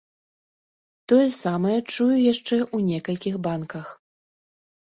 Тое самае чую яшчэ ў некалькіх банках.